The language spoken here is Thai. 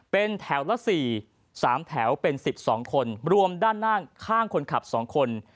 เป็นแถวละสี่สามแถวเป็นสิบสองคนรวมด้านหน้าข้างคนขับสองคน